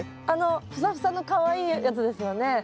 あのふさふさのかわいいやつですよね？